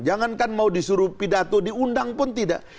jangankan mau disuruh pidato diundang pun tidak